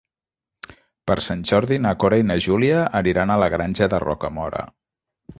Per Sant Jordi na Cora i na Júlia aniran a la Granja de Rocamora.